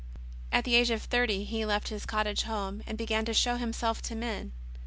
At the age of thirty He left His cottage home and began to show Himself to men.